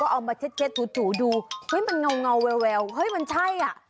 เอามาเช็ดถูดูเฮ้ยมันเงาแววเฮ้ยมันใช่อ่ะ